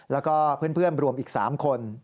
แล้วก็เพื่อนรวมอีก๓คน